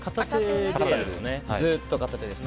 ずっと片手です。